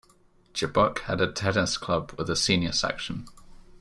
Jabuk has a tennis club with a senior section.